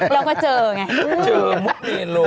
แล้วก็เจอไงเจอมุกเมโล